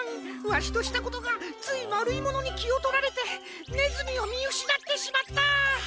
わしとしたことがついまるいものにきをとられてねずみをみうしなってしまった！